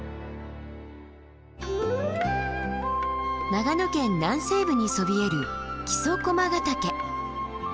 長野県南西部にそびえる木曽駒ヶ岳。